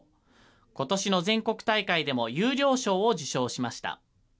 ことしの全国大会でも優良賞を受賞しました。